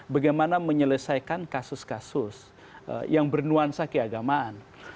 bagaimana menyelesaikan kasus kasus yang bernuansa keagamaan